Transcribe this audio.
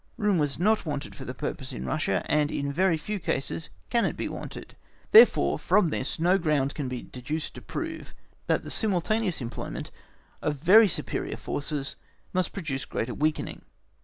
Room was not wanted for the purpose in Russia, and in very few cases can it be wanted. Therefore, from this no ground can be deduced to prove that the simultaneous employment of very superior forces must produce greater weakening.